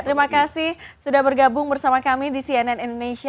terima kasih sudah bergabung bersama kami di cnn indonesia